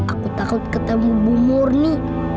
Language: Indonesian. aku takut ketemu bu murni